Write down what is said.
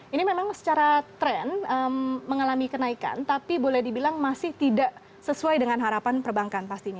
ini memang secara tren mengalami kenaikan tapi boleh dibilang masih tidak sesuai dengan harapan perbankan pastinya